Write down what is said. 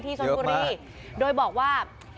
ที่สนภุรีโดยบอกว่าเยอะมาก